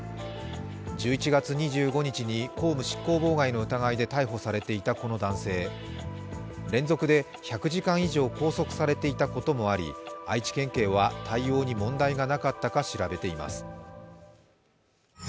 １１月２５日に公務執行妨害の疑いで逮捕されていたこの男性、連続で１００時間以上拘束されていたこともあり、愛知県警は対応に問題がなかったか調べています。